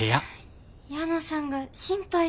矢野さんが心配で。